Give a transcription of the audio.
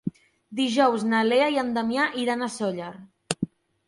Dijous na Lea i en Damià iran a Sóller.